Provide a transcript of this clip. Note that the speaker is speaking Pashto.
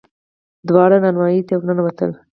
دواړه نانوايي ته ور ننوتل.